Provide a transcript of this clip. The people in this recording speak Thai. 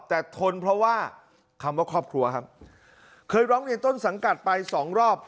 แต่ทนเพราะว่าคำว่าครอบครัวครับเคยร้องเรียนต้นสังกัดไปสองรอบ